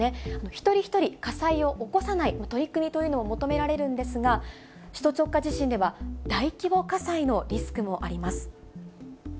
一人一人火災を起こさない取り組みというのも求められるんですが、首都直下地震では、大規模火災のリスクもあります。